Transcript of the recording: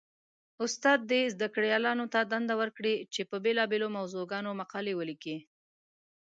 استاد دې زده کړيالانو ته دنده ورکړي؛ چې په بېلابېلو موضوعګانو مقالې وليکي.